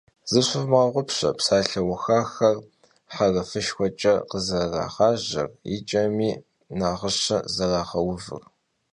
Zışıvmığeğupşe psalheuxaxer herfışşxueç'e khızerırağajer, yi ç'emi nağışe zerağeuvır.